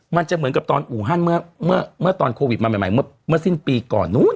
มันจะเหมือนกับตอนอู่ฮั่นเมื่อตอนโควิดมาใหม่เมื่อสิ้นปีก่อนนู้น